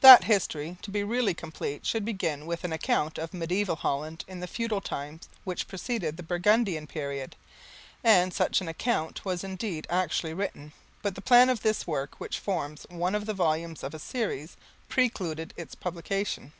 That history, to be really complete, should begin with an account of mediaeval Holland in the feudal times which preceded the Burgundian period; and such an account was indeed actually written, but the plan of this work, which forms one of the volumes of a series, precluded its publication.